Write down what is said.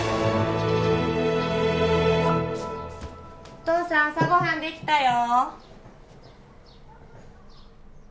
お父さん朝ご飯できたよ